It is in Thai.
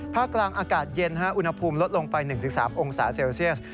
กลางอากาศเย็นอุณหภูมิลดลงไป๑๓องศาเซลเซียส